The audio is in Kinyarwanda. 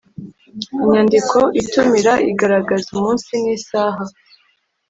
Inyandiko itumira igaragaza umunsi n isaha